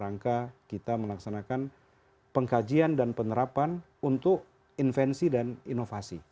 rangka kita melaksanakan pengkajian dan penerapan untuk invensi dan inovasi